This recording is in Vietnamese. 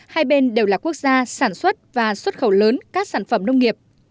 hai bên đều là quốc gia sản xuất và xuất khẩu lớn các sản phẩm nông nghiệp